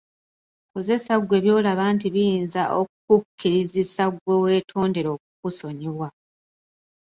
Kozesa ggwe by'olaba nti biyinza okukukkirizisa gwe weetondera okukusonyiwa.